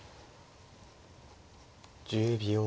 １０秒。